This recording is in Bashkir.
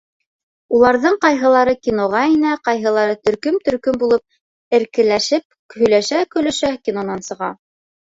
Уларҙың ҡайһылары киноға инә, ҡайһылары, төркөм-төркөм булып эркелешеп, һөйләшә-көлөшә кинонан сыға.